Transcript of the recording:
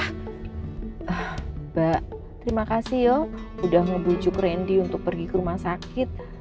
mbak terima kasih yuk udah ngebujuk randy untuk pergi ke rumah sakit